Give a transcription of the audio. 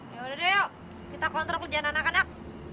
yaudah deh yuk kita kontrak lejana anak anak